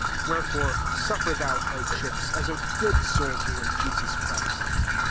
3 Wherefore suffer thou hardships, as a good soldier of Jesus Christ.